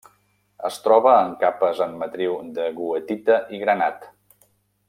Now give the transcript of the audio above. Es troba en capes en matriu de goethita i granat.